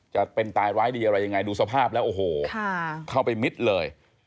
จะเป็นตายร้ายดีอะไรยังไงดูสภาพแล้วโอ้โหเข้าไปมิดเลย